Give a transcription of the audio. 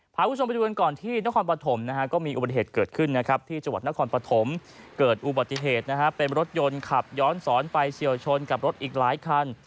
พาคุณผู้ชมไปดูกันก่อนที่นครปฐมนะฮะก็มีอุบัติเหตุเกิดขึ้นนะครับที่จังหวัดนครปฐมเกิดอุบัติเหตุนะฮะเป็นรถยนต์ขับย้อนสอนไปเฉียวชนกับรถอีกหลายคัน